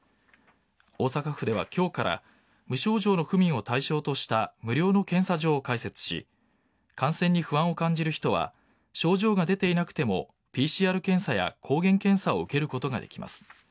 大阪府では今日から無症状の府民を対象とした無料の検査場を開設し感染に不安を感じる人は症状が出ていなくてもＰＣＲ検査や抗原検査を受けることができます。